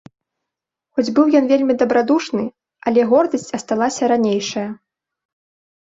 Хоць быў ён вельмі дабрадушны, але гордасць асталася ранейшая.